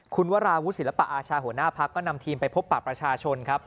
คุณวราวุศิลปะอาชาหัวหน้าพักก็นำทีมไปพบปะประชาชนครับ